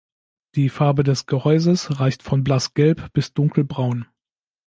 Die Farbe des Gehäuses reicht von Blassgelb bis Dunkelbraun.